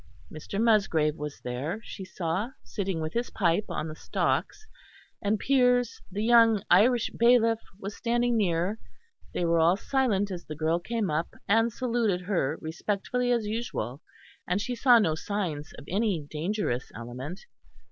Mr. Musgrave was there, she saw, sitting with his pipe, on the stocks, and Piers, the young Irish bailiff, was standing near; they all were silent as the girl came up, and saluted her respectfully as usual; and she saw no signs of any dangerous element.